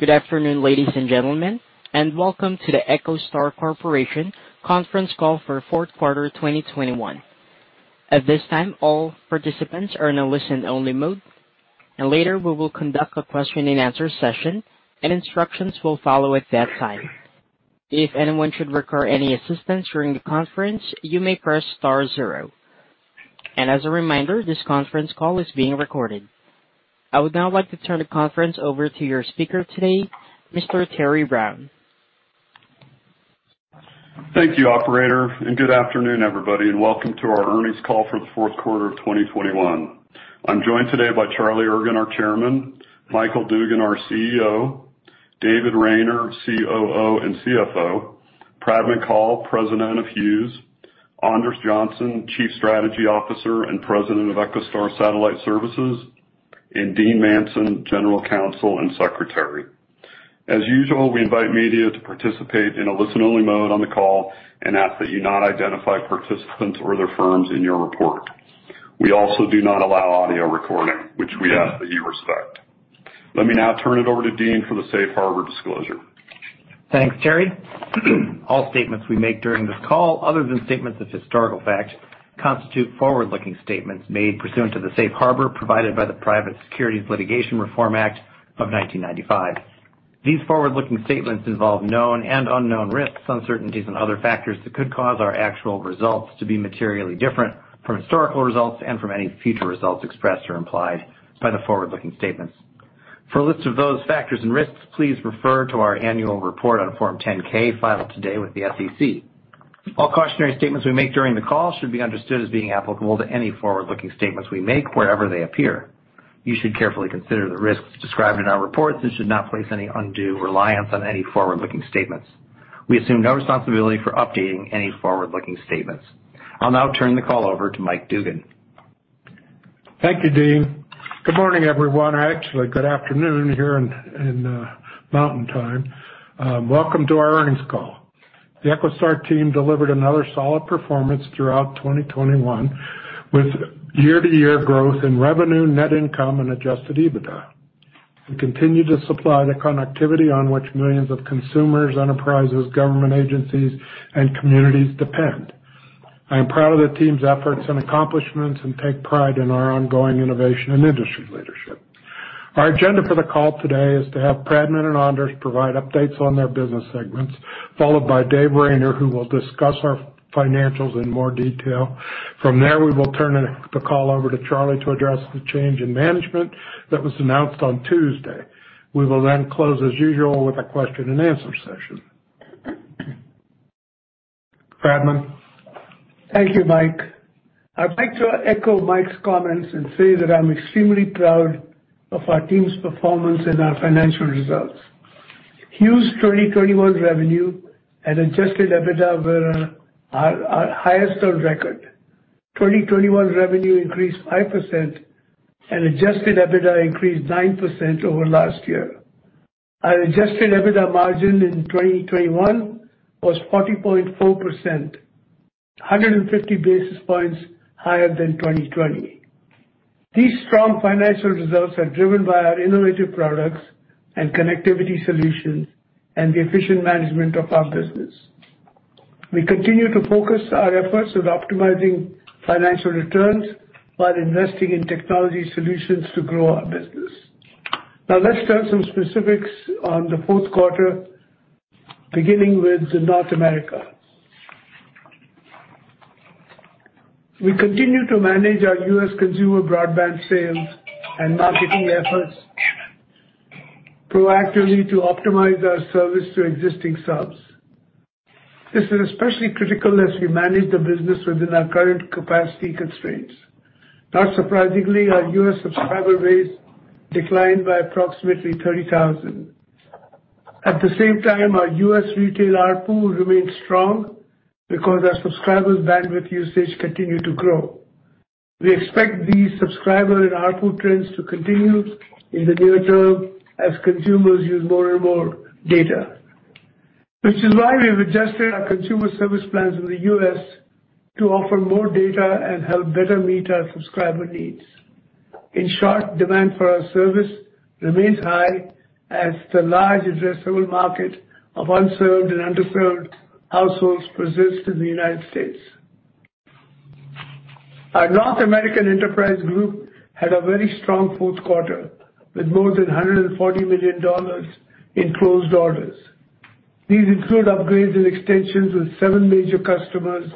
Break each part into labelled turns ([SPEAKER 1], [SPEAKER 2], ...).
[SPEAKER 1] Good afternoon, ladies and gentlemen, and welcome to the EchoStar Corporation conference call for fourth quarter 2021. At this time, all participants are in a listen-only mode, and later we will conduct a question-and-answer session, and instructions will follow at that time. If anyone should require any assistance during the conference, you may press star zero. As a reminder, this conference call is being recorded. I would now like to turn the conference over to your speaker today, Mr. Terry Brown.
[SPEAKER 2] Thank you, operator, and good afternoon, everybody, and welcome to our earnings call for the fourth quarter of 2021. I'm joined today by Charlie Ergen, our chairman, Michael Dugan, our CEO, David Rayner, COO and CFO, Pradman Kaul, President of Hughes, Anders Johnson, Chief Strategy Officer and President of EchoStar Satellite Services, and Dean Manson, General Counsel and Secretary. As usual, we invite media to participate in a listen-only mode on the call and ask that you not identify participants or their firms in your report. We also do not allow audio recording, which we ask that you respect. Let me now turn it over to Dean for the safe harbor disclosure.
[SPEAKER 3] Thanks, Terry. All statements we make during this call, other than statements of historical fact, constitute forward-looking statements made pursuant to the Safe Harbor provided by the Private Securities Litigation Reform Act of 1995. These forward-looking statements involve known and unknown risks, uncertainties, and other factors that could cause our actual results to be materially different from historical results and from any future results expressed or implied by the forward-looking statements. For a list of those factors and risks, please refer to our annual report on Form 10-K filed today with the SEC. All cautionary statements we make during the call should be understood as being applicable to any forward-looking statements we make wherever they appear. You should carefully consider the risks described in our reports and should not place any undue reliance on any forward-looking statements. We assume no responsibility for updating any forward-looking statements. I'll now turn the call over to Mike Dugan.
[SPEAKER 4] Thank you, Dean. Good morning, everyone. Actually, good afternoon here in Mountain Time. Welcome to our earnings call. The EchoStar team delivered another solid performance throughout 2021, with year-to-year growth in revenue, net income, and adjusted EBITDA. We continue to supply the connectivity on which millions of consumers, enterprises, government agencies, and communities depend. I am proud of the team's efforts and accomplishments and take pride in our ongoing innovation and industry leadership. Our agenda for the call today is to have Pradman and Anders provide updates on their business segments, followed by Dave Rayner, who will discuss our financials in more detail. From there, we will turn the call over to Charlie to address the change in management that was announced on Tuesday. We will then close as usual with a question-and-answer session. Pradman.
[SPEAKER 5] Thank you, Mike. I'd like to echo Mike's comments and say that I'm extremely proud of our team's performance and our financial results. Hughes' 2021 revenue and adjusted EBITDA were our highest on record. 2021 revenue increased 5%, and adjusted EBITDA increased 9% over last year. Our adjusted EBITDA margin in 2021 was 40.4%, 150 basis points higher than 2020. These strong financial results are driven by our innovative products and connectivity solutions and the efficient management of our business. We continue to focus our efforts on optimizing financial returns while investing in technology solutions to grow our business. Now let's turn to some specifics on the fourth quarter, beginning with North America. We continue to manage our U.S. consumer broadband sales and marketing efforts proactively to optimize our service to existing subs. This is especially critical as we manage the business within our current capacity constraints. Not surprisingly, our U.S. subscriber base declined by approximately 30,000. At the same time, our U.S. retail ARPU remains strong because our subscribers' bandwidth usage continue to grow. We expect these subscriber and ARPU trends to continue in the near term as consumers use more and more data. Which is why we have adjusted our consumer service plans in the U.S. to offer more data and help better meet our subscriber needs. In short, demand for our service remains high as the large addressable market of unserved and under-served households persists in the United States. Our North American enterprise group had a very strong fourth quarter, with more than $140 million in closed orders. These include upgrades and extensions with seven major customers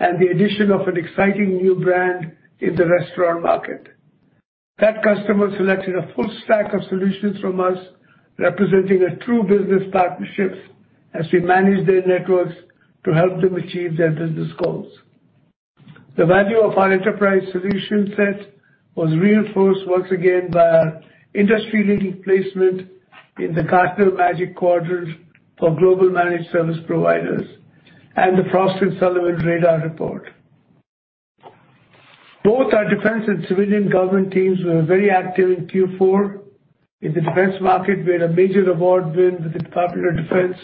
[SPEAKER 5] and the addition of an exciting new brand in the restaurant market. That customer selected a full stack of solutions from us, representing a true business partnership as we manage their networks to help them achieve their business goals. The value of our enterprise solution set was reinforced once again by our industry-leading placement in the Gartner Magic Quadrant for Global Managed Service Providers and the Frost & Sullivan Radar Report. Both our defense and civilian government teams were very active in Q4. In the defense market, we had a major award win with the Department of Defense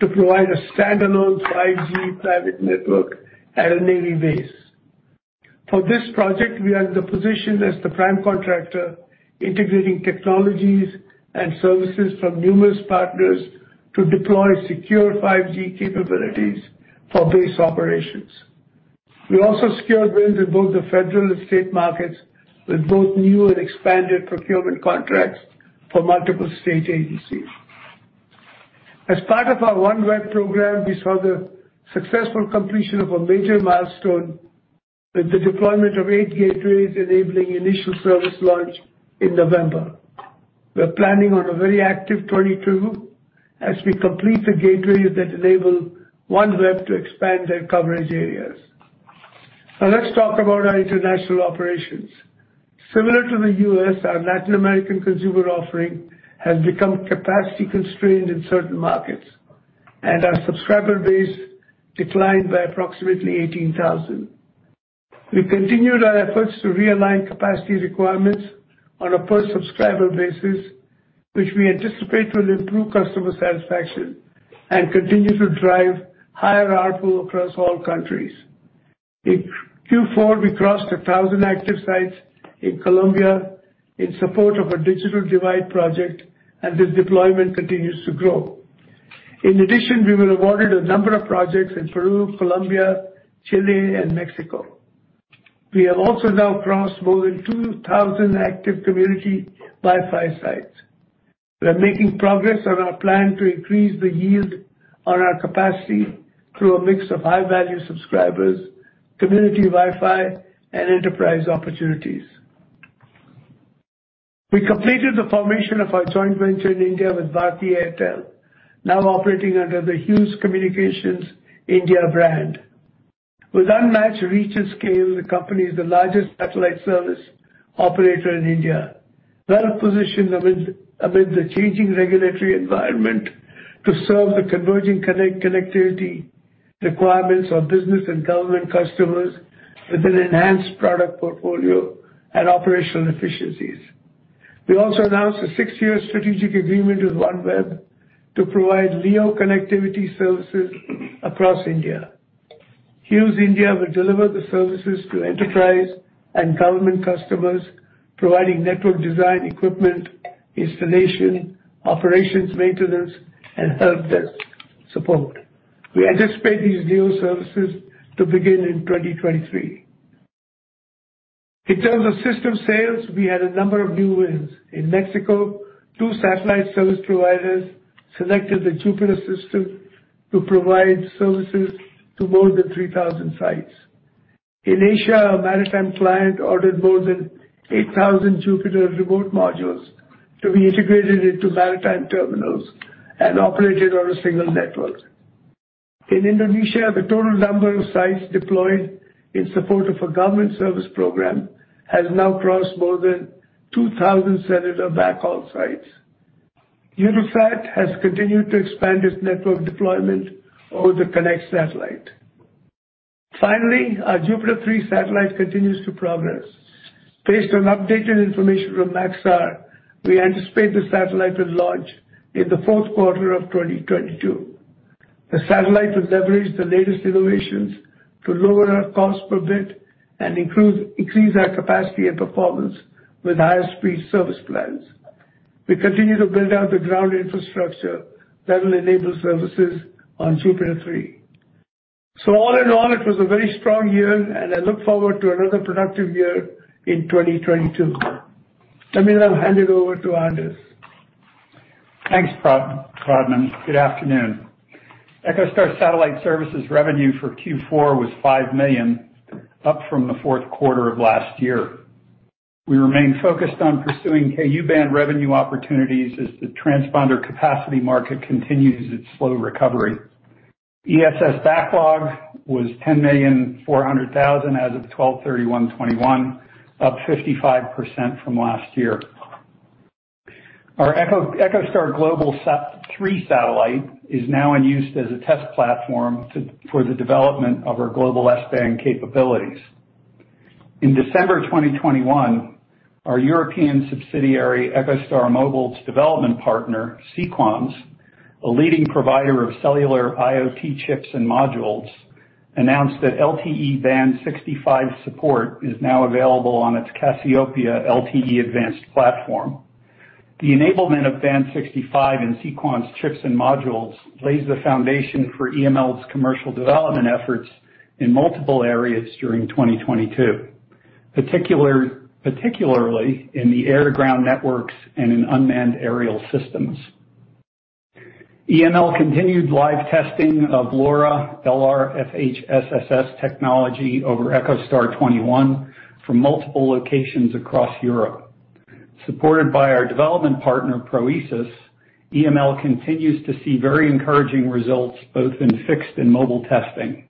[SPEAKER 5] to provide a standalone 5G private network at a Navy base. For this project, we are in the position as the prime contractor integrating technologies and services from numerous partners to deploy secure 5G capabilities for base operations. We also secured wins in both the federal and state markets with both new and expanded procurement contracts for multiple state agencies. As part of our OneWeb program, we saw the successful completion of a major milestone with the deployment of eight gateways enabling initial service launch in November. We're planning on a very active 2022 as we complete the gateways that enable OneWeb to expand their coverage areas. Now let's talk about our international operations. Similar to the U.S., our Latin American consumer offering has become capacity-constrained in certain markets, and our subscriber base declined by approximately 18,000. We continued our efforts to realign capacity requirements on a per-subscriber basis, which we anticipate will improve customer satisfaction and continue to drive higher ARPU across all countries. In Q4, we crossed 1,000 active sites in Colombia in support of a digital divide project, and this deployment continues to grow. In addition, we were awarded a number of projects in Peru, Colombia, Chile, and Mexico. We have also now crossed more than 2,000 active community Wi-Fi sites. We're making progress on our plan to increase the yield on our capacity through a mix of high-value subscribers, community Wi-Fi, and enterprise opportunities. We completed the formation of our joint venture in India with Bharti Airtel, now operating under the Hughes Communications India brand. With unmatched reach and scale, the company is the largest satellite service operator in India. Well-positioned amid the changing regulatory environment to serve the converging connectivity requirements of business and government customers with an enhanced product portfolio and operational efficiencies. We also announced a six-year strategic agreement with OneWeb to provide LEO connectivity services across India. Hughes India will deliver the services to enterprise and government customers, providing network design, equipment, installation, operations maintenance, and help desk support. We anticipate these new services to begin in 2023. In terms of system sales, we had a number of new wins. In Mexico, two satellite service providers selected the JUPITER system to provide services to more than 3,000 sites. In Asia, a maritime client ordered more than 8,000 JUPITER remote modules to be integrated into maritime terminals and operated on a single network. In Indonesia, the total number of sites deployed in support of a government service program has now crossed more than 2,000 cellular backhaul sites. Eutelsat has continued to expand its network deployment over the Konnect satellite. Finally, our JUPITER 3 satellite continues to progress. Based on updated information from Maxar, we anticipate the satellite will launch in the fourth quarter of 2022. The satellite will leverage the latest innovations to lower our cost per bit and increase our capacity and performance with higher speed service plans. We continue to build out the ground infrastructure that will enable services on JUPITER 3. All in all, it was a very strong year, and I look forward to another productive year in 2022. Let me now hand it over to Anders.
[SPEAKER 6] Thanks, Pradman. Good afternoon. EchoStar Satellite Services revenue for Q4 was $5 million, up from the fourth quarter of last year. We remain focused on pursuing Ku-band revenue opportunities as the transponder capacity market continues its slow recovery. ESS backlog was $10.4 million as of 12/31/2021, up 55% from last year. Our EchoStar Global 3 satellite is now in use as a test platform for the development of our global S-band capabilities. In December 2021, our European subsidiary, EchoStar Mobile's development partner, Sequans, a leading provider of cellular IoT chips and modules, announced that LTE band 65 support is now available on its Cassiopeia LTE-Advanced platform. The enablement of band 65 in Sequans chips and modules lays the foundation for EML's commercial development efforts in multiple areas during 2022, particularly in the air-to-ground networks and in unmanned aerial systems. EML continued live testing of LoRa, LR-FHSS technology over EchoStar XXI from multiple locations across Europe. Supported by our development partner, Sequans, EML continues to see very encouraging results both in fixed and mobile testing.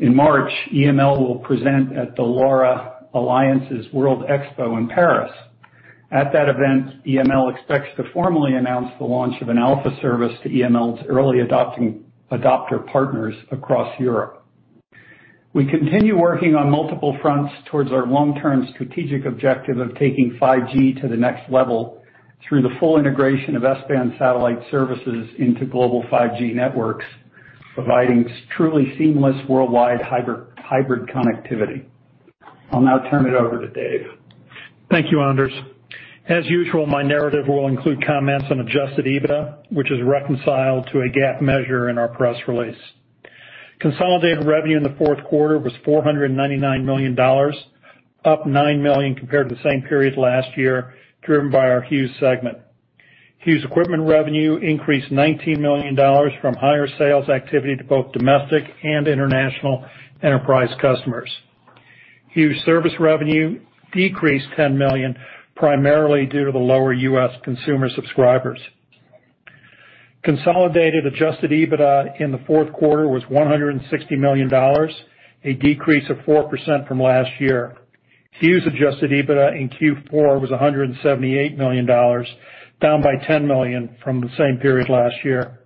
[SPEAKER 6] In March, EML will present at the LoRa Alliance's World Expo in Paris. At that event, EML expects to formally announce the launch of an alpha service to EML's early adopter partners across Europe. We continue working on multiple fronts towards our long-term strategic objective of taking 5G to the next level. Through the full integration of S-band satellite services into global 5G networks, providing a truly seamless worldwide hybrid connectivity. I'll now turn it over to Dave.
[SPEAKER 7] Thank you, Anders. As usual, my narrative will include comments on adjusted EBITDA, which is reconciled to a GAAP measure in our press release. Consolidated revenue in the fourth quarter was $499 million, up $9 million compared to the same period last year, driven by our Hughes segment. Hughes equipment revenue increased $19 million from higher sales activity to both domestic and international enterprise customers. Hughes service revenue decreased $10 million, primarily due to the lower U.S. consumer subscribers. Consolidated adjusted EBITDA in the fourth quarter was $160 million, a 4% decrease from last year. Hughes adjusted EBITDA in Q4 was $178 million, down $10 million from the same period last year.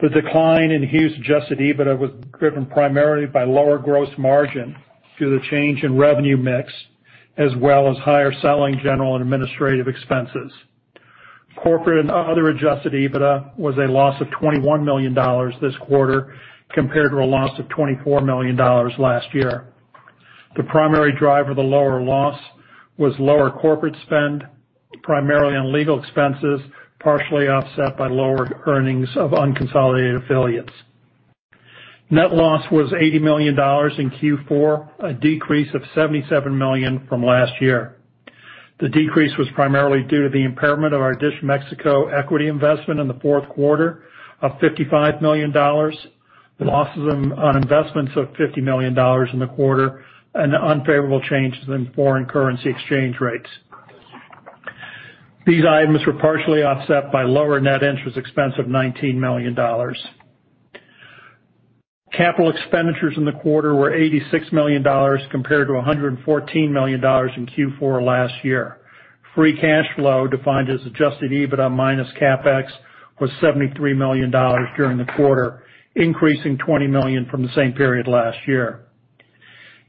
[SPEAKER 7] The decline in Hughes adjusted EBITDA was driven primarily by lower gross margin due to the change in revenue mix, as well as higher selling, general and administrative expenses. Corporate and other adjusted EBITDA was a loss of $21 million this quarter compared to a loss of $24 million last year. The primary driver of the lower loss was lower corporate spend, primarily on legal expenses, partially offset by lower earnings of unconsolidated affiliates. Net loss was $80 million in Q4, a decrease of $77 million from last year. The decrease was primarily due to the impairment of our DISH Mexico equity investment in the fourth quarter of $55 million, losses on investments of $50 million in the quarter, and unfavorable changes in foreign currency exchange rates. These items were partially offset by lower net interest expense of $19 million. Capital expenditures in the quarter were $86 million compared to $114 million in Q4 last year. Free cash flow, defined as adjusted EBITDA minus CapEx, was $73 million during the quarter, increasing $20 million from the same period last year.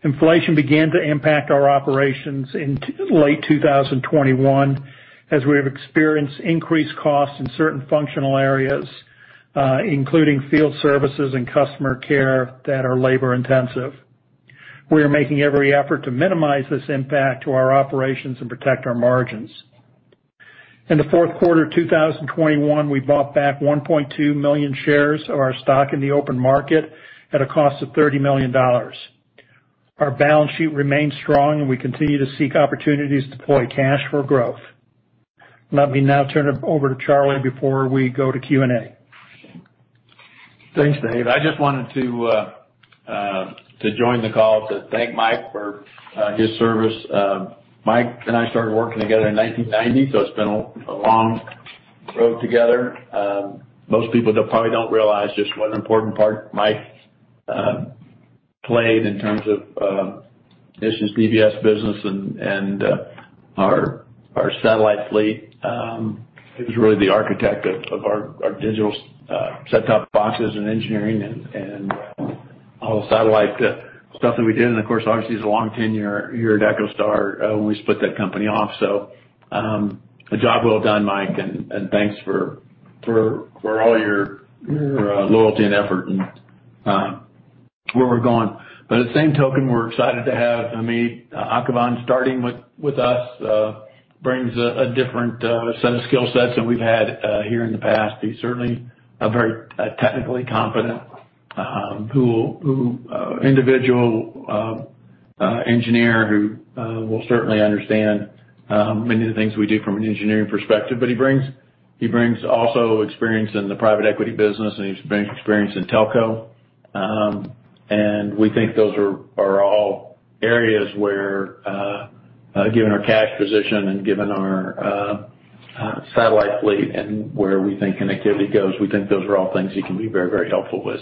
[SPEAKER 7] Inflation began to impact our operations in late 2021, as we have experienced increased costs in certain functional areas, including field services and customer care that are labor-intensive. We are making every effort to minimize this impact to our operations and protect our margins. In the fourth quarter 2021, we bought back 1.2 million shares of our stock in the open market at a cost of $30 million. Our balance sheet remains strong, and we continue to seek opportunities to deploy cash for growth. Let me now turn it over to Charlie before we go to Q&A.
[SPEAKER 8] Thanks, Dave. I just wanted to join the call to thank Mike for his service. Mike and I started working together in 1990, so it's been a long road together. Most people probably don't realize just what an important part Mike played in terms of DISH's DBS business and our satellite fleet. He was really the architect of our digital set-top boxes and engineering and all the satellite stuff that we did. Of course, obviously, he's a long-tenurer here at EchoStar when we split that company off. A job well done, Mike, and thanks for all your loyalty and effort and where we're going. By the same token, we're excited to have Hamid Akhavan starting with us. He brings a different set of skill sets than we've had here in the past. He's certainly a very technically competent individual engineer who will certainly understand many of the things we do from an engineering perspective. But he brings also experience in the private equity business, and he brings experience in telco. We think those are all areas where, given our cash position and given our satellite fleet and where we think connectivity goes, we think those are all things he can be very helpful with.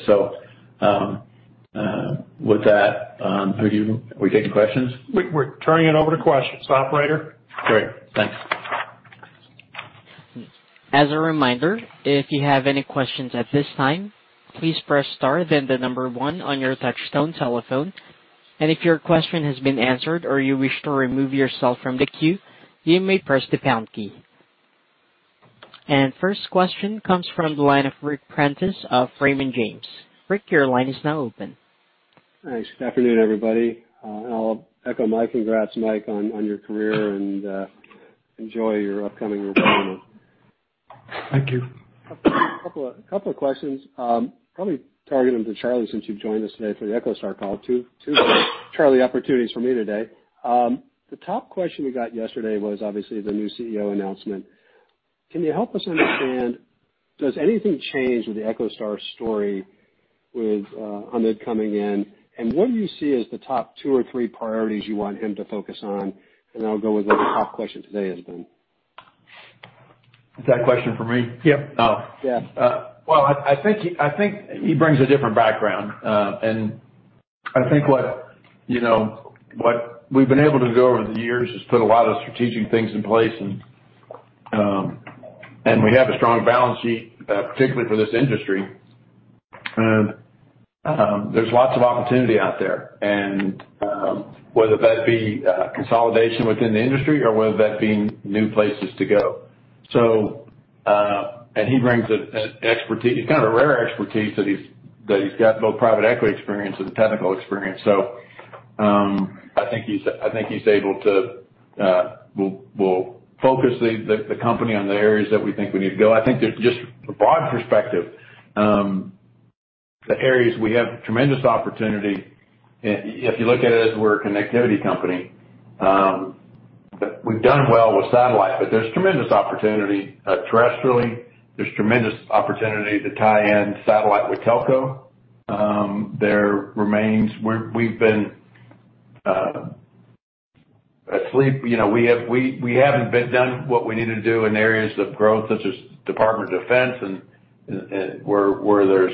[SPEAKER 8] With that, are we taking questions?
[SPEAKER 7] We're turning it over to questions. Operator?
[SPEAKER 8] Great. Thanks.
[SPEAKER 1] As a reminder, if you have any questions at this time, please press star then one on your touchtone telephone. If your question has been answered or you wish to remove yourself from the queue, you may press the pound key. First question comes from the line of Ric Prentiss of Raymond James. Ric, your line is now open.
[SPEAKER 9] Thanks. Good afternoon, everybody. I'll echo Mike. Congrats, Mike, on your career and enjoy your upcoming retirement.
[SPEAKER 4] Thank you.
[SPEAKER 9] A couple of questions, probably targeted to Charlie since you've joined us today for the EchoStar call. Two to Charlie opportunities for me today. The top question we got yesterday was obviously the new CEO announcement. Can you help us understand, does anything change with the EchoStar story with Hamid coming in? And what do you see as the top two or three priorities you want him to focus on? And then I'll go with what the top question today has been.
[SPEAKER 8] Is that question for me?
[SPEAKER 9] Yep.
[SPEAKER 8] Oh.
[SPEAKER 9] Yeah.
[SPEAKER 8] Well, I think he brings a different background, and I think, you know, what we've been able to do over the years is put a lot of strategic things in place, and we have a strong balance sheet, particularly for this industry. There's lots of opportunity out there, and whether that be consolidation within the industry or whether that being new places to go. He brings an expertise. It's kind of a rare expertise that he's got both private equity experience and technical experience. I think he will focus the company on the areas that we think we need to go. I think there's just a broad perspective. The areas we have tremendous opportunity, if you look at it as we're a connectivity company, we've done well with satellite, but there's tremendous opportunity, terrestrially. There's tremendous opportunity to tie in satellite with telco. We've been asleep. You know, we haven't done what we need to do in areas of growth, such as Department of Defense and where we're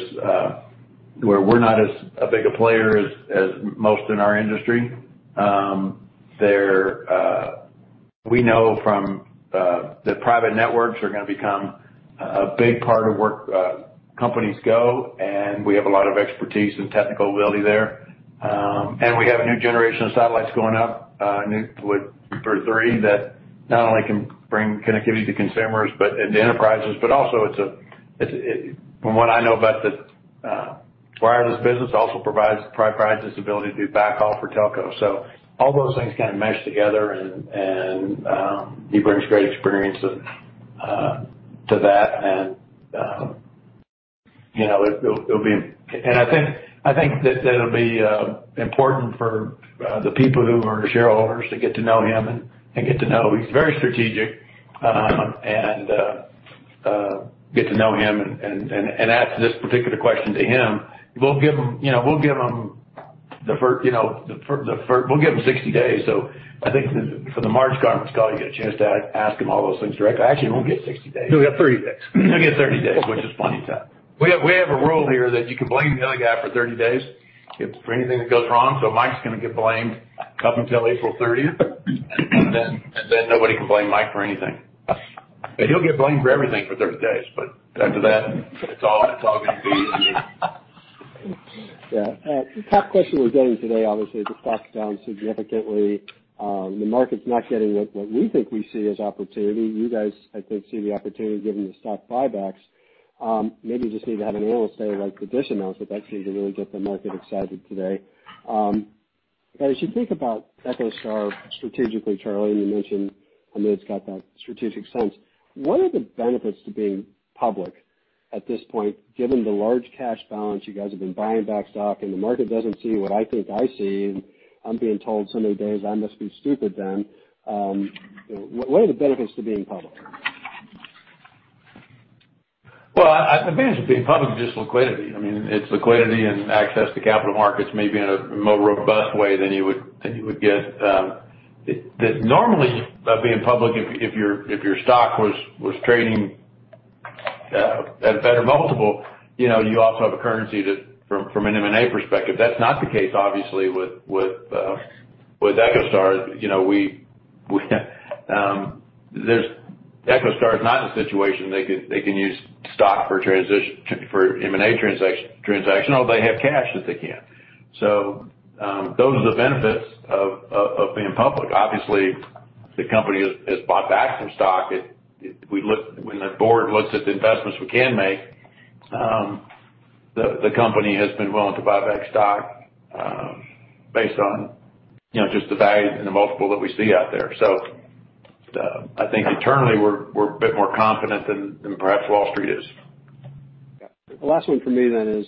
[SPEAKER 8] not as big a player as most in our industry. We know that private networks are gonna become a big part of where companies go, and we have a lot of expertise and technical ability there. We have a new generation of satellites going up, JUPITER 3 that not only can bring connectivity to consumers, but also to enterprises, but also it's. From what I know about the wireless business, it also provides us ability to do backhaul for telco. So all those things kinda mesh together, and he brings great experience to that. You know, it'll be. I think that it'll be important for the people who are shareholders to get to know him and get to know. He's very strategic, and get to know him and ask this particular question to him. We'll give him, you know, we'll give him the floor, we'll give him 60 days. I think for the March conference call, you get a chance to ask him all those things directly. Actually, he won't get 60 days.
[SPEAKER 1] He'll get 30 days.
[SPEAKER 8] He'll get 30 days, which is plenty of time. We have a rule here that you can blame the other guy for 30 days for anything that goes wrong. Mike's gonna get blamed up until April 13th. Then, nobody can blame Mike for anything. He'll get blamed for everything for 30 days, but after that, it's all gonna be you.
[SPEAKER 9] Yeah. Tough question we're getting today, obviously, the stock's down significantly. The market's not getting what we think we see as opportunity. You guys, I think, see the opportunity given the stock buybacks. Maybe just need to have an analyst say, like the DISH announcement that seemed to really get the market excited today. As you think about EchoStar strategically, Charlie, and you mentioned, I know it's got that strategic sense. What are the benefits to being public at this point, given the large cash balance you guys have been buying back stock, and the market doesn't see what I think I see, and I'm being told so many days I must be stupid then. What are the benefits to being public?
[SPEAKER 8] Well, I... The benefits of being public are just liquidity. I mean, it's liquidity and access to capital markets maybe in a more robust way than you would get. That normally, being public if your stock was trading at a better multiple, you know, you also have a currency that from an M&A perspective. That's not the case, obviously, with EchoStar. You know, we, there's—EchoStar is not in a situation they can use stock for M&A transaction. They have cash that they can. Those are the benefits of being public. Obviously, the company has bought back some stock. When the board looks at the investments we can make, the company has been willing to buy back stock, based on, you know, just the value and the multiple that we see out there. I think internally, we're a bit more confident than perhaps Wall Street is.
[SPEAKER 9] Yeah. The last one for me is,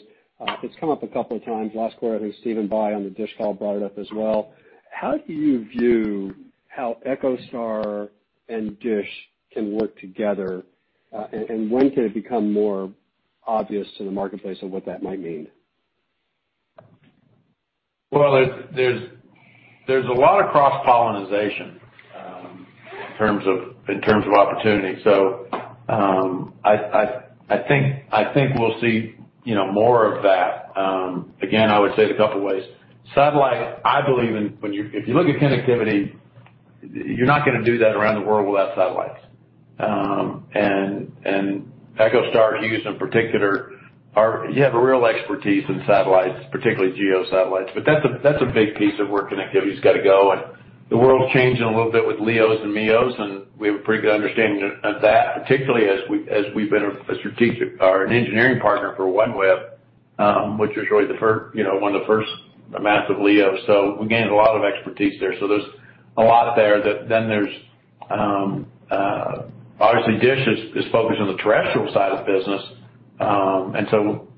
[SPEAKER 9] it's come up a couple of times. Last quarter, I think Stephen Bye on the DISH call brought it up as well. How do you view how EchoStar and DISH can work together? And when can it become more obvious to the marketplace of what that might mean?
[SPEAKER 8] Well, there's a lot of cross-pollination in terms of opportunity. I think we'll see, you know, more of that. Again, I would say it a couple ways. Satellite, I believe in. If you look at connectivity, you're not gonna do that around the world without satellites. EchoStar, Hughes in particular, are. You have a real expertise in satellites, particularly GEO satellites. But that's a big piece of where connectivity's gotta go. The world's changing a little bit with LEOs and MEOs, and we have a pretty good understanding of that, particularly as we've been a strategic or an engineering partner for OneWeb, which is really, you know, one of the first massive LEOs. We gained a lot of expertise there. Obviously, DISH is focused on the terrestrial side of the business.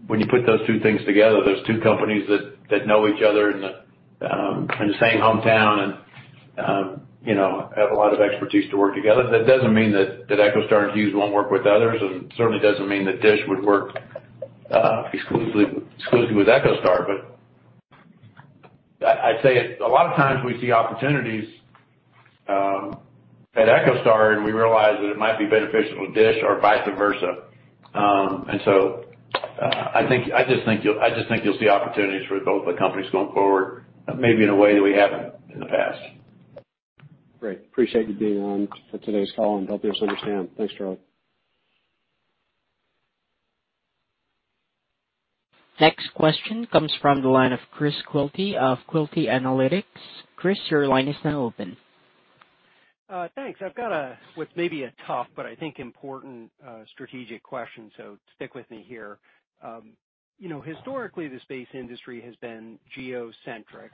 [SPEAKER 8] When you put those two things together, there's two companies that know each other in the same hometown and, you know, have a lot of expertise to work together. That doesn't mean that EchoStar and Hughes won't work with others, and certainly doesn't mean that DISH would work exclusively with EchoStar. I'd say a lot of times we see opportunities at EchoStar, and we realize that it might be beneficial to DISH or vice versa. I just think you'll see opportunities for both the companies going forward, maybe in a way that we haven't in the past.
[SPEAKER 9] Great. Appreciate you being on for today's call and helping us understand. Thanks, Charlie.
[SPEAKER 1] Next question comes from the line of Chris Quilty of Quilty Analytics. Chris, your line is now open.
[SPEAKER 10] Thanks. I've got a what may be a tough, but I think important, strategic question, so stick with me here. You know, historically the space industry has been geocentric.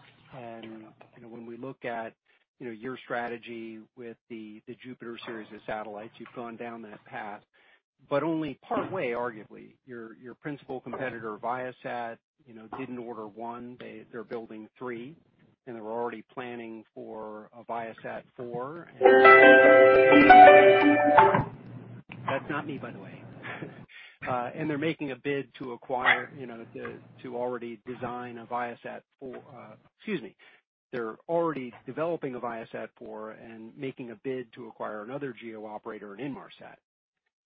[SPEAKER 10] You know, when we look at your strategy with the JUPITER series of satellites, you've gone down that path, but only partway, arguably. Your principal competitor, Viasat, you know, didn't order one. They're building three, and they're already planning for a ViaSat-4. That's not me, by the way. They're already developing a ViaSat-4 and making a bid to acquire another GEO operator, Inmarsat.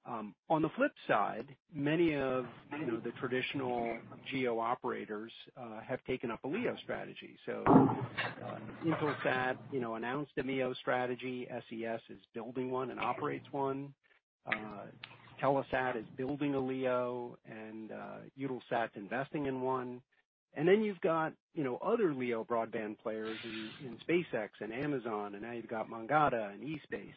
[SPEAKER 10] On the flip side, many of you know, the traditional GEO operators have taken up a LEO strategy. Intelsat, you know, announced a LEO strategy. SES is building one and operates one. Telesat is building a LEO, and Eutelsat's investing in one. You've got, you know, other LEO broadband players in SpaceX and Amazon, and now you've got Mangata and E-Space.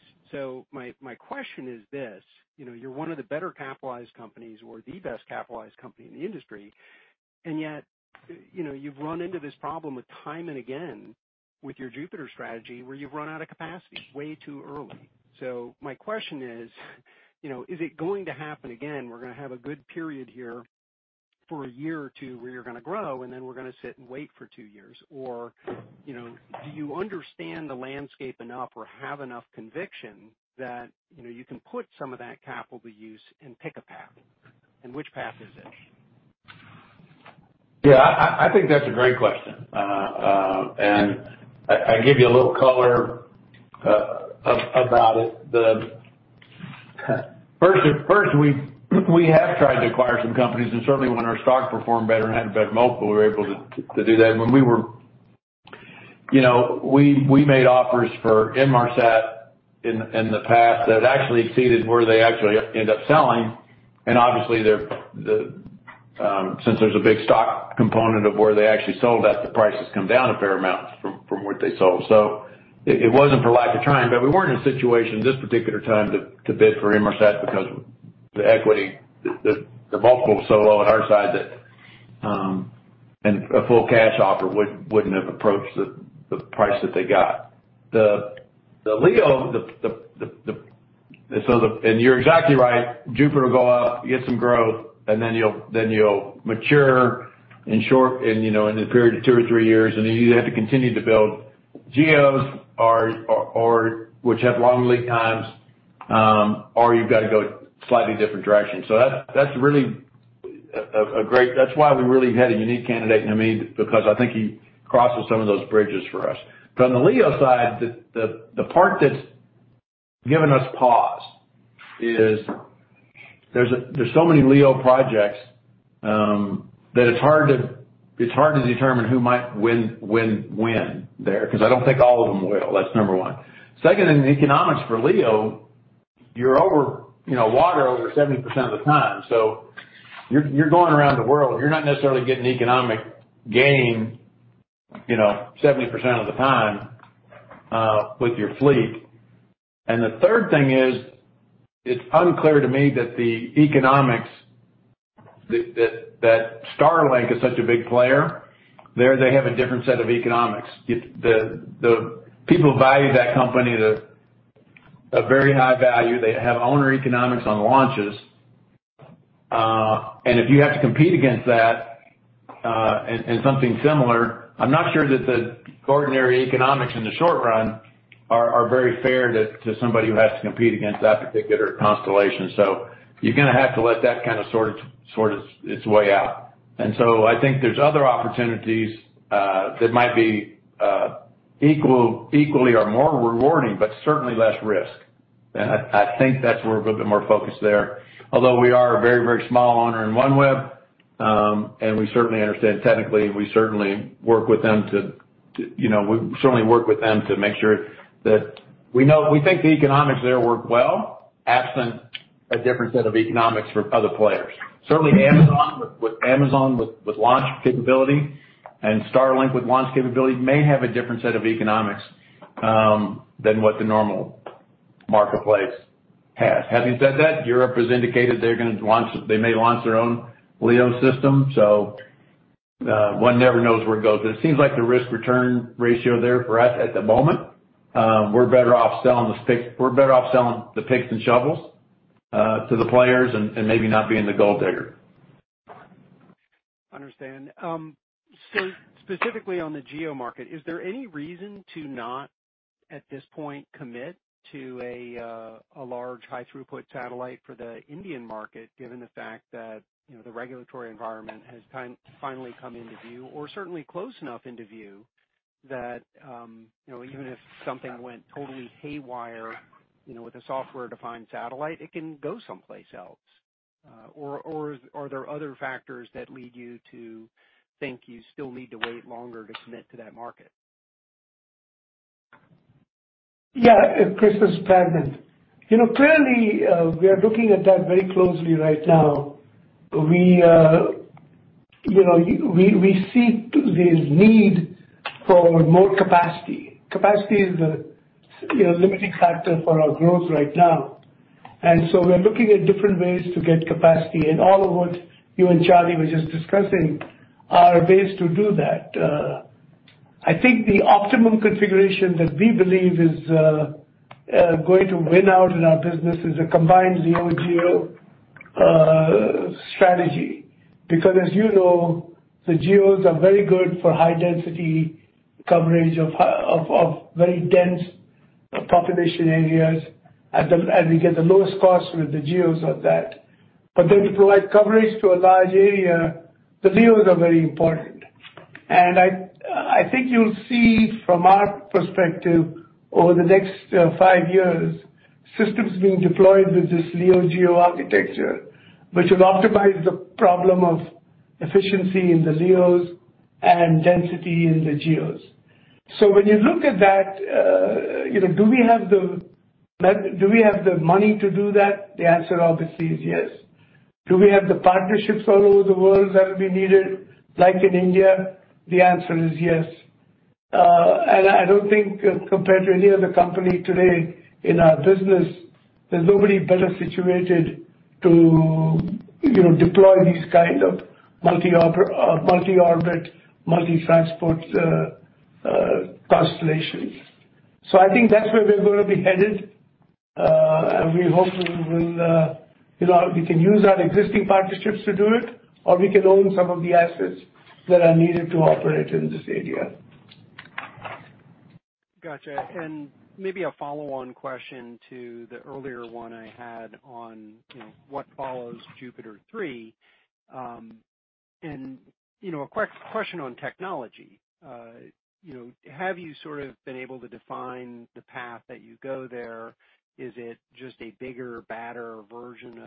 [SPEAKER 10] My question is this: you know, you're one of the better capitalized companies or the best capitalized company in the industry, and yet, you know, you've run into this problem time and again with your JUPITER strategy, where you've run out of capacity way too early. My question is, you know, is it going to happen again? We're gonna have a good period here for a year or two, where you're gonna grow, and then we're gonna sit and wait for two years. you know, do you understand the landscape enough or have enough conviction that, you know, you can put some of that capital to use and pick a path? Which path is it?
[SPEAKER 8] Yeah. I think that's a great question. I give you a little color about it. First, we have tried to acquire some companies, and certainly when our stock performed better and had a better multiple, we were able to do that. You know, we made offers for Inmarsat in the past that actually exceeded where they actually end up selling. Obviously, since there's a big stock component of where they actually sold at, the price has come down a fair amount from what they sold. It wasn't for lack of trying, but we weren't in a situation this particular time to bid for Inmarsat because the equity multiple was so low on our side that and a full cash offer wouldn't have approached the price that they got. You're exactly right. Jupiter will go up, get some growth, and then you'll mature in short, you know, in a period of two or three years, and you either have to continue to build GEOs or which have long lead times, or you've got to go slightly different directions. That's really a great. That's why we really had a unique candidate in Hamid, because I think he crosses some of those bridges for us. On the LEO side, the part that's given us pause is there's so many LEO projects that it's hard to determine who might win-win-win there, because I don't think all of them will. That's number one. Second, in the economics for LEO, you're over, you know, water over 70% of the time. So you're going around the world, you're not necessarily getting economic gain, you know, 70% of the time with your fleet. The third thing is, it's unclear to me that the economics that Starlink is such a big player. There they have a different set of economics. The people value that company at a very high value. They have owner economics on launches. If you have to compete against that and something similar, I'm not sure that the ordinary economics in the short run are very fair to somebody who has to compete against that particular constellation. You're gonna have to let that kind of sort its way out. I think there's other opportunities that might be equally or more rewarding, but certainly less risk. I think that's where we're a bit more focused there. Although we are a very small owner in OneWeb, and we certainly understand technically, we certainly work with them to, you know, make sure that we know. We think the economics there work well, absent a different set of economics for other players. Certainly Amazon with launch capability and Starlink with launch capability may have a different set of economics than what the normal marketplace has. Having said that, Europe has indicated they may launch their own LEO system, so one never knows where it goes. It seems like the risk-return ratio there for us at the moment, we're better off selling the picks and shovels to the players and maybe not being the gold digger.
[SPEAKER 10] Understand. Specifically on the GEO market, is there any reason to not, at this point, commit to a large high-throughput satellite for the Indian market, given the fact that, you know, the regulatory environment has finally come into view or certainly close enough into view that, you know, even if something went totally haywire, you know, with a software-defined satellite, it can go someplace else? Or are there other factors that lead you to think you still need to wait longer to commit to that market?
[SPEAKER 5] Yeah. Chris, it's Pradman. You know, clearly, we are looking at that very closely right now. We are, you know, we see this need for more capacity. Capacity is the, you know, limiting factor for our growth right now. We're looking at different ways to get capacity. All of what you and Charlie were just discussing are ways to do that. I think the optimum configuration that we believe is going to win out in our business is a combined LEO-GEO strategy. Because as you know, the GEOs are very good for high density coverage of very dense population areas and we get the lowest cost with the GEOs of that. To provide coverage to a large area, the LEOs are very important. I think you'll see from our perspective over the next five years, systems being deployed with this LEO-GEO architecture, which will optimize the problem of efficiency in the LEOs and density in the GEOs. When you look at that, you know, do we have the money to do that? The answer obviously is yes. Do we have the partnerships all over the world that'll be needed, like in India? The answer is yes. I don't think compared to any other company today in our business, there's nobody better situated to, you know, deploy these kind of multi-orbit, multi-transport constellations. I think that's where we're gonna be headed. We hope we will, you know, we can use our existing partnerships to do it, or we can own some of the assets that are needed to operate in this area.
[SPEAKER 10] Gotcha. Maybe a follow-on question to the earlier one I had on, you know, what follows JUPITER 3. You know, a question on technology. You know, have you sort of been able to define the path that you go there? Is it just a bigger, badder version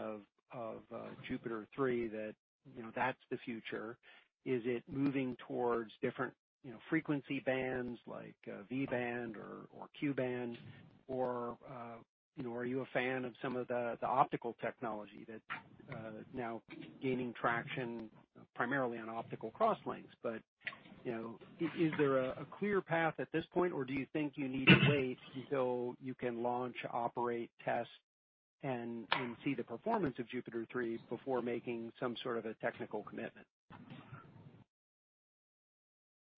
[SPEAKER 10] of JUPITER 3 that, you know, that's the future? Is it moving towards different, you know, frequency bands like V-band or Ku-band? Or, you know, are you a fan of some of the optical technology that now gaining traction primarily on optical cross links? Is there a clear path at this point, or do you think you need to wait until you can launch, operate, test, and see the performance of JUPITER 3 before making some sort of a technical commitment?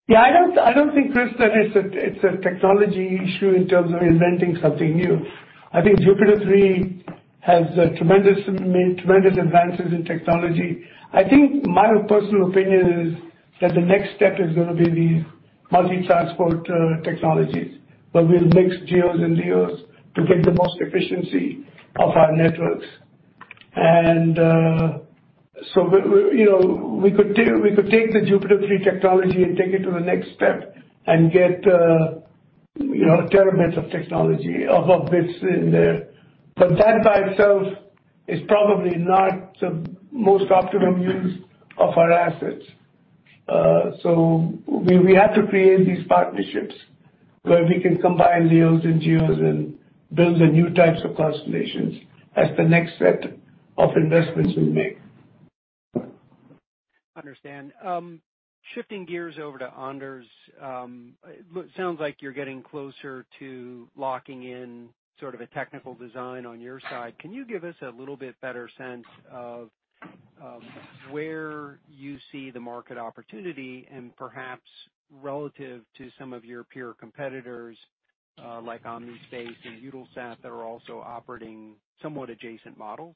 [SPEAKER 5] Yeah, I don't think, Chris, that it's a technology issue in terms of inventing something new. I think JUPITER 3 has made tremendous advances in technology. I think my personal opinion is that the next step is gonna be the multi-transport technologies, where we'll mix GEOs and LEOs to get the most efficiency of our networks. You know, we could take the JUPITER 3 technology and take it to the next step and get you know terabytes of technology of this in there. But that by itself is probably not the most optimum use of our assets. We have to create these partnerships where we can combine LEOs and GEOs and build the new types of constellations as the next set of investments we make.
[SPEAKER 10] Understand. Shifting gears over to Anders. It sounds like you're getting closer to locking in sort of a technical design on your side. Can you give us a little bit better sense of where you see the market opportunity and perhaps relative to some of your peer competitors, like Omnispace and Eutelsat that are also operating somewhat adjacent models?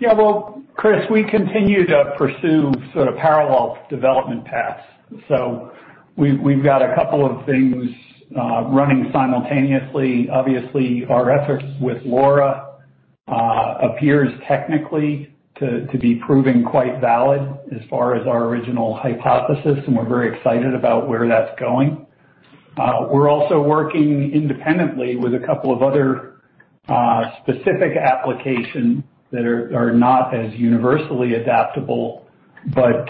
[SPEAKER 6] Yeah. Well, Chris, we continue to pursue sort of parallel development paths. We've got a couple of things running simultaneously. Obviously, our efforts with LoRa appears technically to be proving quite valid as far as our original hypothesis, and we're very excited about where that's going. We're also working independently with a couple of other specific application that are not as universally adaptable, but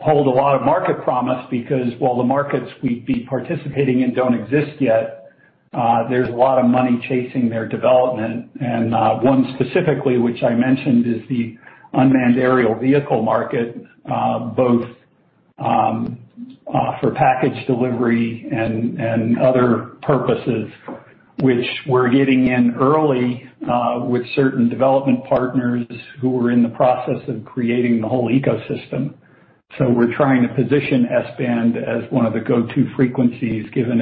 [SPEAKER 6] hold a lot of market promise because, while the markets we'd be participating in don't exist yet, there's a lot of money chasing their development. One specifically, which I mentioned, is the unmanned aerial vehicle market both for package delivery and other purposes, which we're getting in early with certain development partners who are in the process of creating the whole ecosystem. We're trying to position S-band as one of the go-to frequencies, given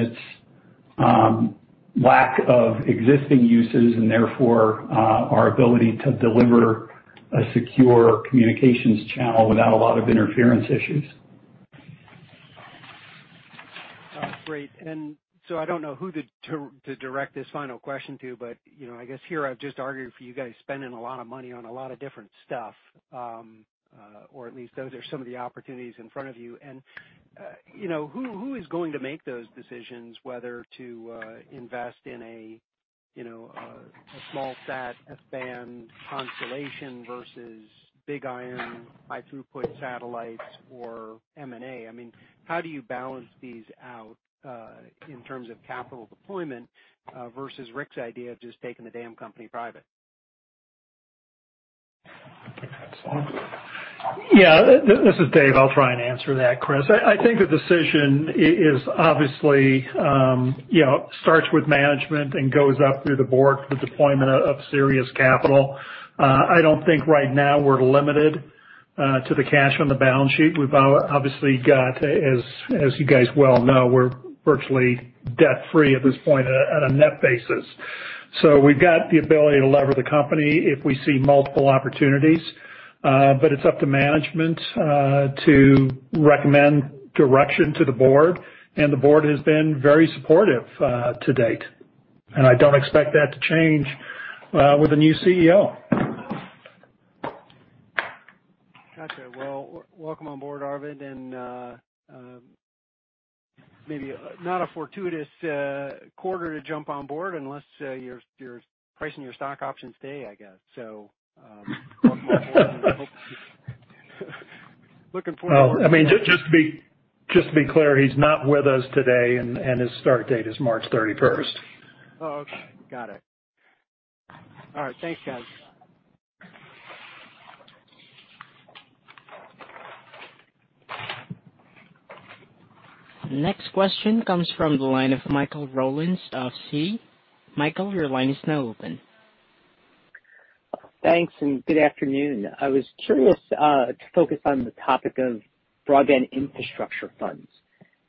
[SPEAKER 6] its lack of existing uses, and therefore, our ability to deliver a secure communications channel without a lot of interference issues.
[SPEAKER 10] Great. I don't know who to direct this final question to, but, you know, I guess here I've just argued for you guys spending a lot of money on a lot of different stuff. At least those are some of the opportunities in front of you. Who is going to make those decisions whether to invest in a small sat S-band constellation versus big iron, high throughput satellites or M&A. I mean, how do you balance these out in terms of capital deployment versus Ric's idea of just taking the damn company private?
[SPEAKER 5] I think that's on.
[SPEAKER 7] Yeah. This is Dave. I'll try and answer that, Chris. I think the decision is obviously, you know, starts with management and goes up through the board, the deployment of serious capital. I don't think right now we're limited to the cash on the balance sheet. We've obviously got, as you guys well know, we're virtually debt free at this point at a net basis. So we've got the ability to lever the company if we see multiple opportunities. It's up to management to recommend direction to the board, and the board has been very supportive to date, and I don't expect that to change with a new CEO.
[SPEAKER 10] Gotcha. Well, welcome on board, Hamid Akhavan, and maybe not a fortuitous quarter to jump on board unless you're pricing your stock options today, I guess so. Welcome on board, and I hope looking forward
[SPEAKER 7] Well, I mean, just to be clear, he's not with us today, and his start date is March 31st.
[SPEAKER 10] Oh, okay. Got it. All right, thanks, guys.
[SPEAKER 1] Next question comes from the line of Michael Rollins of Citi. Michael, your line is now open.
[SPEAKER 11] Thanks, and good afternoon. I was curious to focus on the topic of broadband infrastructure funds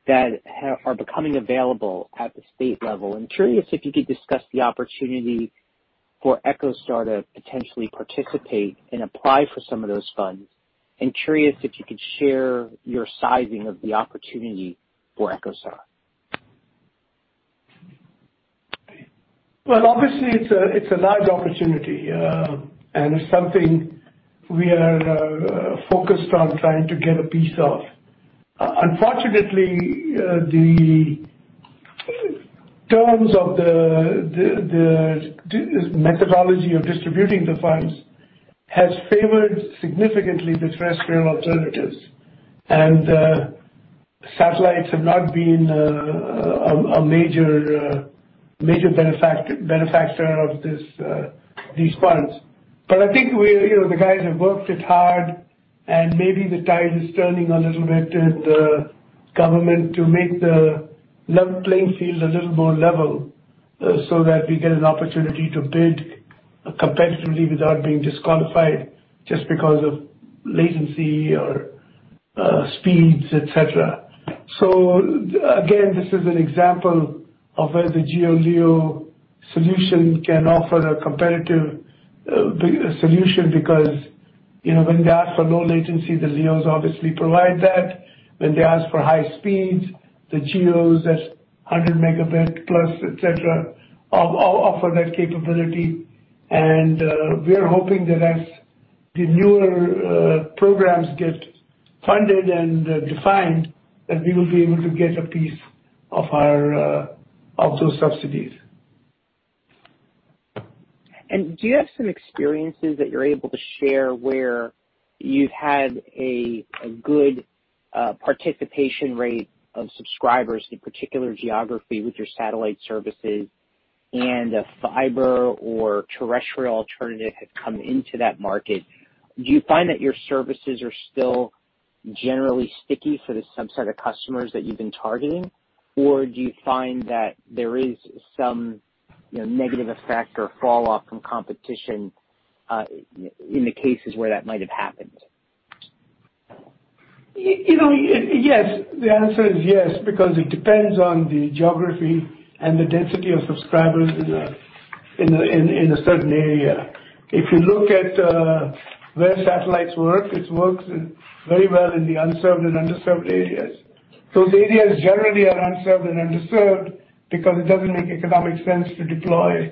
[SPEAKER 11] that are becoming available at the state level. I'm curious if you could discuss the opportunity for EchoStar to potentially participate and apply for some of those funds. I'm curious if you could share your sizing of the opportunity for EchoStar.
[SPEAKER 5] Well, obviously it's a large opportunity, and it's something we are focused on trying to get a piece of. Unfortunately, the terms of this methodology of distributing the funds has favored significantly the terrestrial alternatives. Satellites have not been a major benefactor of these funds. I think we're, you know, the guys have worked it hard, and maybe the tide is turning a little bit with the government to make the level playing field a little more level, so that we get an opportunity to bid competitively without being disqualified just because of latency or speeds, et cetera. Again, this is an example of where the GEO-LEO solution can offer a competitive solution because, you know, when they ask for low latency, the LEOs obviously provide that. When they ask for high speeds, the GEOs at 100 Mb plus, et cetera, we all offer that capability. We are hoping that as the newer programs get funded and defined, that we will be able to get a piece of those subsidies.
[SPEAKER 11] Do you have some experiences that you're able to share where you've had a good participation rate of subscribers in particular geography with your satellite services and a fiber or terrestrial alternative has come into that market? Do you find that your services are still generally sticky for the subset of customers that you've been targeting? Or do you find that there is some, you know, negative effect or fall off from competition, in the cases where that might have happened?
[SPEAKER 5] You know, yes, the answer is yes, because it depends on the geography and the density of subscribers in a certain area. If you look at where satellites work, it works very well in the unserved and underserved areas. Those areas generally are unserved and underserved because it doesn't make economic sense to deploy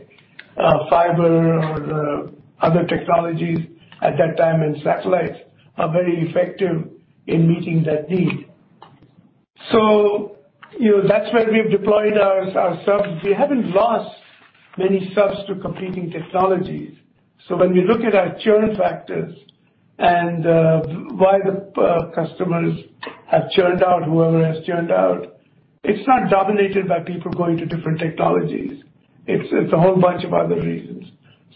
[SPEAKER 5] fiber or the other technologies at that time. Satellites are very effective in meeting that need. You know, that's where we've deployed our subs. We haven't lost many subs to competing technologies. When we look at our churn factors and why the customers have churned out, it's not dominated by people going to different technologies. It's a whole bunch of other reasons.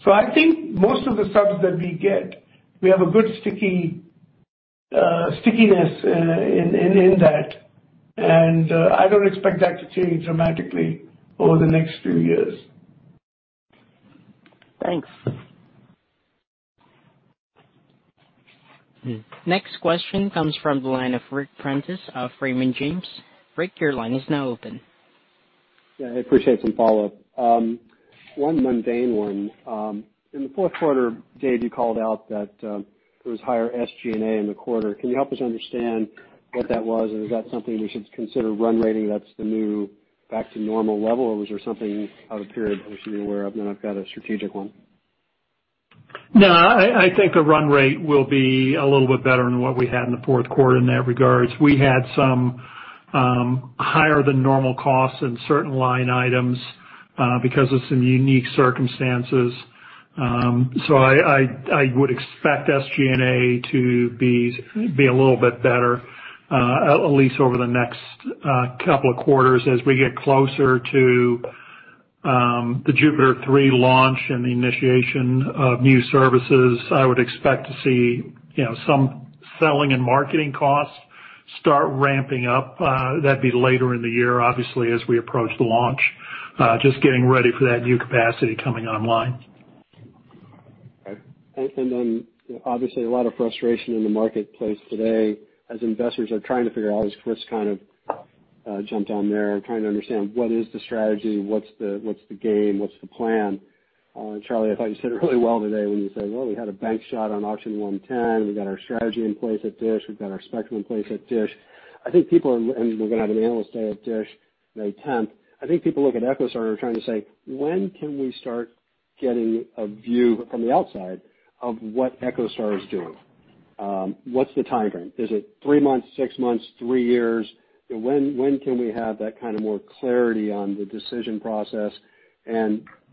[SPEAKER 5] I think most of the subs that we get, we have a good sticky, stickiness in that. I don't expect that to change dramatically over the next few years.
[SPEAKER 11] Thanks.
[SPEAKER 1] Next question comes from the line of Ric Prentiss of Raymond James. Rick, your line is now open.
[SPEAKER 9] Yeah. I appreciate some follow-up. One mundane one. In the fourth quarter, Dave, you called out that there was higher SG&A in the quarter. Can you help us understand what that was? And is that something we should consider run-rating, that's the new back-to-normal level? Or was there something out of period we should be aware of? I've got a strategic one.
[SPEAKER 7] No, I think the run rate will be a little bit better than what we had in the fourth quarter in that regards. We had some higher than normal costs in certain line items because of some unique circumstances. I would expect SG&A to be a little bit better at least over the next couple of quarters. As we get closer to the JUPITER 3 launch and the initiation of new services, I would expect to see, you know, some selling and marketing costs start ramping up. That'd be later in the year, obviously, as we approach the launch. Just getting ready for that new capacity coming online.
[SPEAKER 9] Okay. Obviously, a lot of frustration in the marketplace today as investors are trying to figure out, as Chris kind of jumped on there, trying to understand what is the strategy, what's the game, what's the plan. Charlie, I thought you said it really well today when you said, "Well, we had a bank shot on auction 110. We've got our strategy in place at DISH. We've got our spectrum in place at DISH." I think people are. We're gonna have an analyst day at DISH May 10. I think people look at EchoStar and are trying to say, "When can we start getting a view from the outside of what EchoStar is doing? What's the timeframe? Is it three months, six months, three years? When can we have that kind of more clarity on the decision process?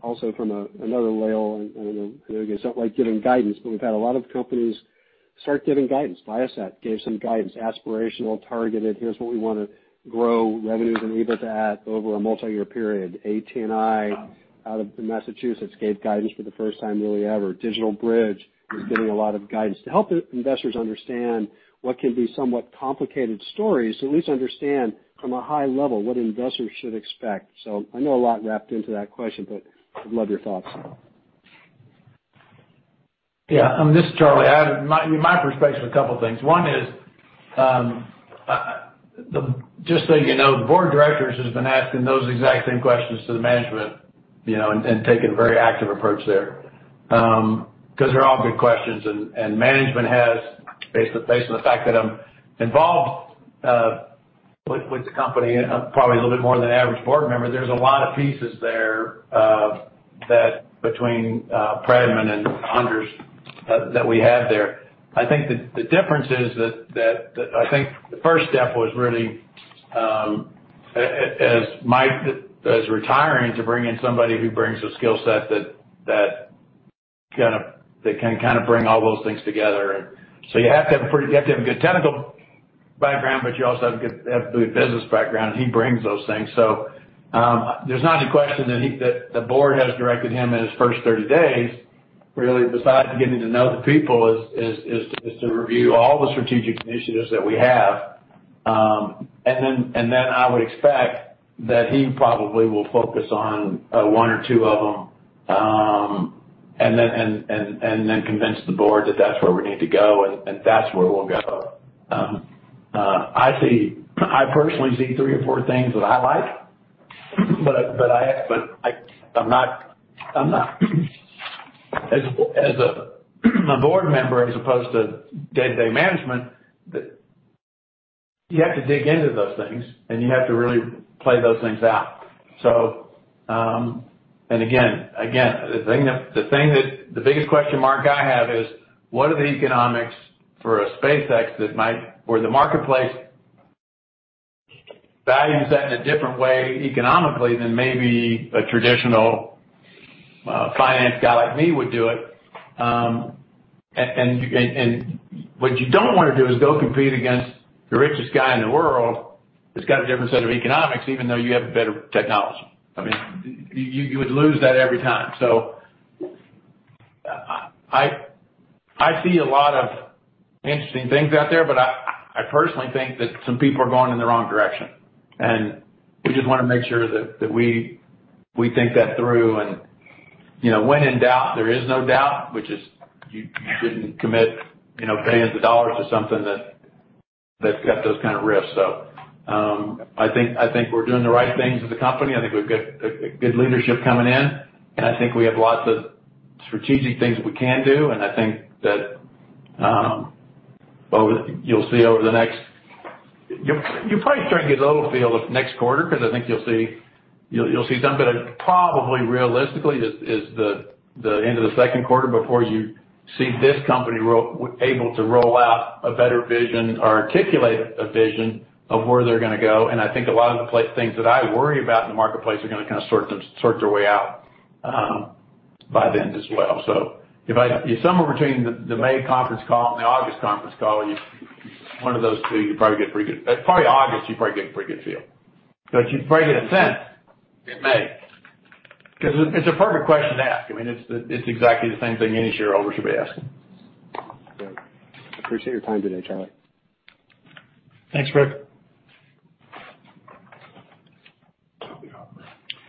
[SPEAKER 9] Also from another level, I know you guys don't like giving guidance, but we've had a lot of companies start giving guidance. Viasat gave some guidance, aspirational, targeted, here's what we wanna grow revenues and EBITDA at over a multi-year period. ATN out of Massachusetts gave guidance for the first time really ever. DigitalBridge is giving a lot of guidance. To help the investors understand what can be somewhat complicated stories, to at least understand from a high level what investors should expect. I know a lot wrapped into that question, but I'd love your thoughts.
[SPEAKER 8] This is Charlie. My perspective's a couple things. One is, just so you know, the board of directors has been asking those exact same questions to the management, you know, and taking a very active approach there. 'Cause they're all good questions and management has faced with the fact that I'm involved with the company probably a little bit more than the average board member. There's a lot of pieces there that between Pradman and Anders that we have there. I think the difference is that I think the first step was really, as Mike is retiring, to bring in somebody who brings a skill set that can kinda bring all those things together. You have to have a good technical background, but you also have a good business background, and he brings those things. There's not any question that the board has directed him in his first 30 days, really besides getting to know the people, is to review all the strategic initiatives that we have. I would expect that he probably will focus on one or two of them, and then convince the board that that's where we need to go, and that's where we'll go. I personally see three or four things that I like, but I'm not. As a board member as opposed to day-to-day management, you have to dig into those things and you have to really play those things out. The biggest question mark I have is, what are the economics for a SpaceX that might, where the marketplace values that in a different way economically than maybe a traditional finance guy like me would do it. And what you don't wanna do is go compete against the richest guy in the world who's got a different set of economics, even though you have better technology. I mean, you would lose that every time. I see a lot of interesting things out there, but I personally think that some people are going in the wrong direction. We just wanna make sure that we think that through. You know, when in doubt, there is no doubt, which is you shouldn't commit, you know, billions of dollars to something that's got those kind of risks. I think we're doing the right things as a company. I think we've got a good leadership coming in, and I think we have lots of strategic things that we can do. I think that you'll see over the next. You'll probably start to get a little feel of next quarter because I think you'll see, you'll see something. Probably realistically is the end of the second quarter before you see this company able to roll out a better vision or articulate a vision of where they're gonna go. I think a lot of the things that I worry about in the marketplace are gonna kinda sort their way out by then as well. Somewhere between the May conference call and the August conference call, one of those two, you'll probably get a pretty good feel. Probably August, you'll probably get a pretty good feel. You'd probably get a sense in May. 'Cause it's a perfect question to ask. I mean, it's exactly the same thing any shareholder should be asking.
[SPEAKER 9] Good. Appreciate your time today, Charlie.
[SPEAKER 8] Thanks, Ric. Copy, operator.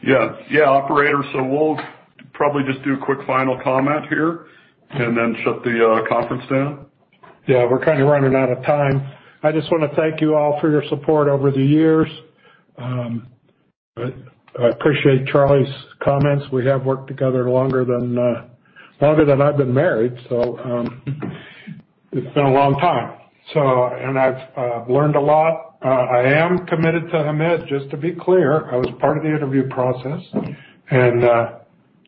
[SPEAKER 7] Yeah. Yeah, operator, so we'll probably just do a quick final comment here and then shut the conference down.
[SPEAKER 4] Yeah, we're kinda running out of time. I just wanna thank you all for your support over the years. I appreciate Charlie's comments. We have worked together longer than I've been married, so it's been a long time. And I've learned a lot. I am committed to Hamid, just to be clear. I was part of the interview process, and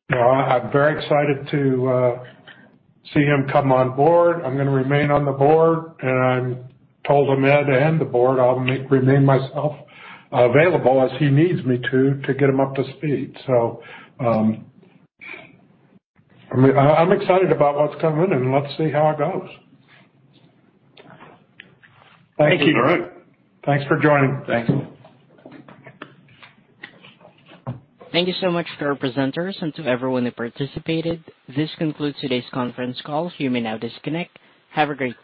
[SPEAKER 4] you know, I'm very excited to see him come on board. I'm gonna remain on the board, and I've told Hamid and the board I'll remain myself available as he needs me to get him up to speed. I mean, I'm excited about what's coming, and let's see how it goes.
[SPEAKER 9] Thank you.
[SPEAKER 8] Thanks for joining.
[SPEAKER 9] Thanks.
[SPEAKER 1] Thank you so much for our presenters and to everyone that participated. This concludes today's conference call. You may now disconnect. Have a great day.